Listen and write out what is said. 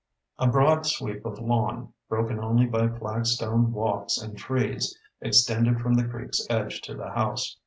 A broad sweep of lawn, broken only by flagstone walks and trees, extended from the creek's edge to the house.